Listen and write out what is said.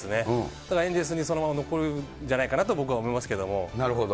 だからエンゼルスにそのまま残るんじゃないかなと僕は思いますけなるほど。